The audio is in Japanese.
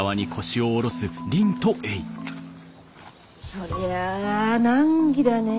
そりゃあ難儀だねえ。